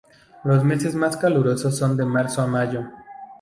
Los meses más calurosos son de marzo a mayo.